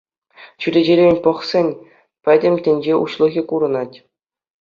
Чӳречерен пӑхсен пӗтӗм тӗнче уҫлӑхӗ курӑнать.